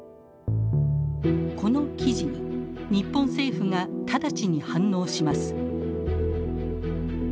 この記事に日本政府が直ちに反応します。